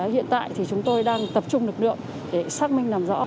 hiện tại thì chúng tôi đang tập trung lực lượng để xác minh làm rõ